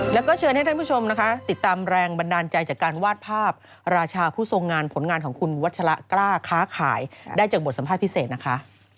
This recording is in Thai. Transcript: แล้วก็เชิญให้ท่านผู้ชมนะคะติดตามแรงบันดาลใจจากการวาดภาพราชาผู้ทรงงานผลงานของคุณวัชละกล้าค้าขายได้จากบทสัมภาษณ์พิเศษนะคะ